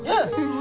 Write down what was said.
何？